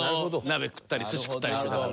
鍋食ったり寿司食ったりしてたから。